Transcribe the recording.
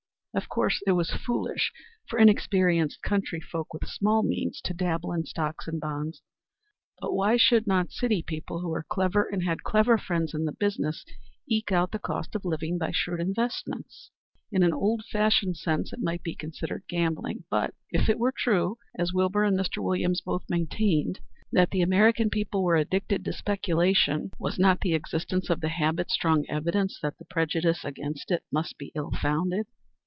Of course it was foolish for inexperienced country folk with small means to dabble in stocks and bonds, but why should not city people who were clever and had clever friends in the business eke out the cost of living by shrewd investments? In an old fashioned sense it might be considered gambling; but, if it were true, as Wilbur and Mr. Williams both maintained, that the American people were addicted to speculation, was not the existence of the habit strong evidence that the prejudice against it must be ill founded?